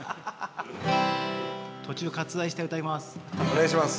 途中割愛して歌います。